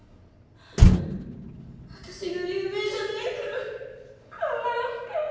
私が有名じゃないからこんな扱いを。